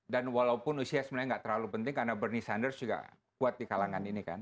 dan walaupun usia sebenarnya tidak terlalu penting karena bernie sanders juga kuat di kalangan ini kan